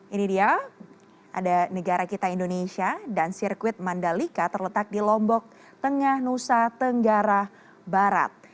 ini dia ada negara kita indonesia dan sirkuit mandalika terletak di lombok tengah nusa tenggara barat